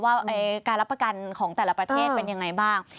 ว่าการรับประกันของแต่ละประเทศเป็นยังไงบ้าง